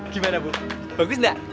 gimana bu bagus enggak